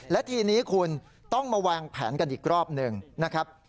และทีนี้คุณต้องมาวางแผนกันอีกรอบหนึ่งนะครับ